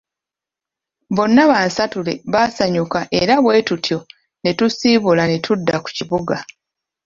Bonna bonsatule baasanyuka era bwe tutyo ne tusiibula ne tudda ku kibuga.